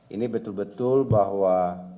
ini betul betul bahwa